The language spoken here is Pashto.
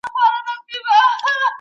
کمپيوټر رايه اوري.